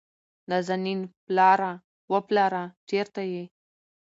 نازنين: پلاره، وه پلاره چېرته يې ؟